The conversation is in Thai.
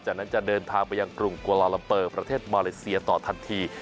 จากนั้นจะเดินทางไปยังกรุงกวาลาลัมเปอร์ประเทศมาเลเซียต่อทันที